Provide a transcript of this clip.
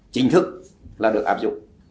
chính thức là được áp dụng